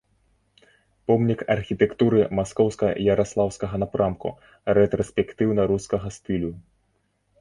Помнік архітэктуры маскоўска-яраслаўскага напрамку рэтраспектыўна-рускага стылю.